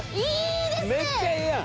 めっちゃええやん！